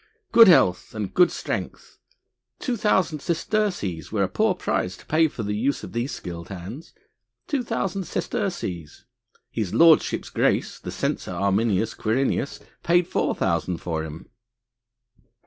Good health and strength, two thousand sesterces were a poor price to pay for the use of these skilled hands.... Two thousand sesterces.... His lordship's grace, the censor Arminius Quirinius paid four thousand for him...."